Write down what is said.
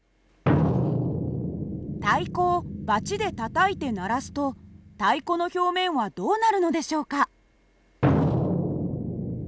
太鼓をばちでたたいて鳴らすと太鼓の表面はどうなるのでしょうか？